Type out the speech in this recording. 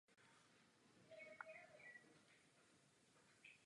V době svého největšího rozmachu zabírala takřka celý Indický subkontinent.